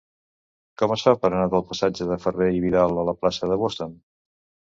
Com es fa per anar del passatge de Ferrer i Vidal a la plaça de Boston?